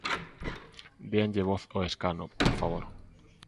Déanlle voz ao escano, por favor.